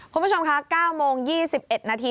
คุณผู้ชมคะ๙โมง๒๑นาที